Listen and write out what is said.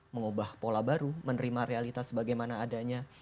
mengubah pola baru menerima realitas bagaimana adanya